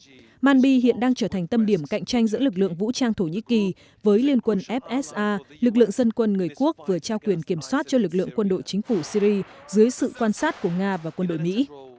trong đó manby hiện đang trở thành tâm điểm cạnh tranh giữa lực lượng vũ trang thổ nhĩ kỳ với liên quân fsa lực lượng dân quân người quốc vừa trao quyền kiểm soát cho lực lượng quân đội chính phủ syri dưới sự quan sát của nga và quân đội mỹ